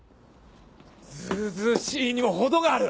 ずうずうしいにも程がある。